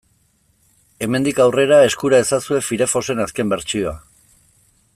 Hemendik aurrera eskura ezazue Firefoxen azken bertsioa.